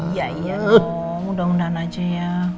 udah undang undang aja ya